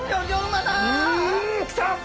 うん来た！